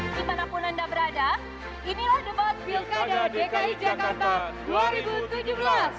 dimanapun anda berada inilah debat pilkada dki jakarta dua ribu tujuh belas